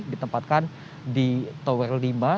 ditempatkan di tower lima